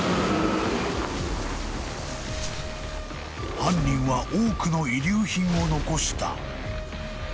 ［犯人は多くの遺留品を残した］